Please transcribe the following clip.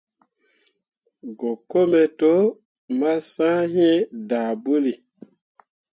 Go kome to, ma sah iŋ daa bǝulli.